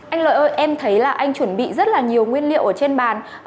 anh lợi ơi em thấy là anh chuẩn bị rất là nhiều nguyên liệu ở trên bàn